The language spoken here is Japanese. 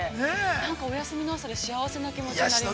なんかお休みの朝に、幸せな気持ちになりました。